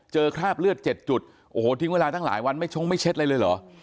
คราบเลือด๗จุดโอ้โหทิ้งเวลาตั้งหลายวันไม่ชงไม่เช็ดอะไรเลยเหรอ